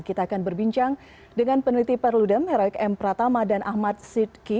kita akan berbincang dengan peneliti perludem heroik m pratama dan ahmad sidki